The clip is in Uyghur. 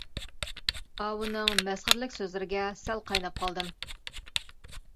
ئاۋۇنىڭ مەسخىرىلىك سۆزلىرىگە سەل قايناپ قالدىم.